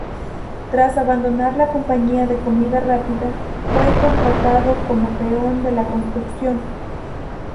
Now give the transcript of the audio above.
Tras abandonar la compañía de comida rápida, fue contratado como peón de la construcción.